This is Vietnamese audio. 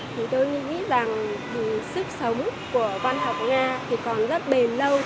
thì tôi nghĩ rằng sức sống của văn học nga thì còn rất bền lâu